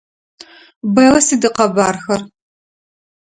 Бэллэ сыд икъэбархэр?